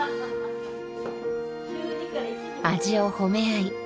味を褒め合い